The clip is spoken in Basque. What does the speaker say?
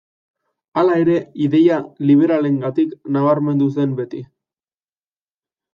Hala ere, ideia liberalengatik nabarmendu izan zen beti.